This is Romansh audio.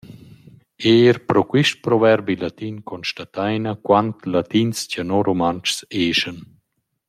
Eir pro quist proverbi latin constataina, quant latins cha nus Rumantschs eschan.